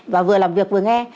và vừa làm việc vừa nghe